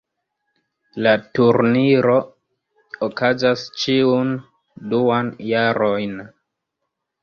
La turniro okazas ĉiun duan jarojn.